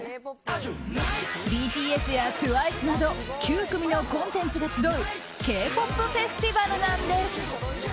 ＢＴＳやＴＷＩＣＥなど９組のコンテンツが集うＫ‐ＰＯＰフェスティバルなんです。